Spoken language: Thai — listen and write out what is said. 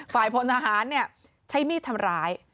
ฝ่ายพลทหารเนี่ยใช้มีดทำร้าย